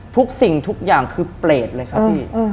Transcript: ทุกสิ่งทุกอย่างคือเปรตเลยครับพี่